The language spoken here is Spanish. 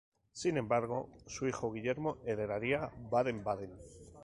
Sin embargo, su hijo Guillermo heredaría Baden-Baden.